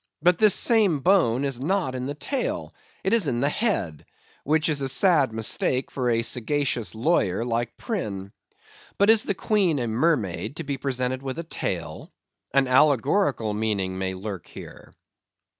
But this same bone is not in the tail; it is in the head, which is a sad mistake for a sagacious lawyer like Prynne. But is the Queen a mermaid, to be presented with a tail? An allegorical meaning may lurk here.